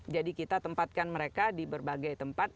jadi kita tempatkan mereka di berbagai tempat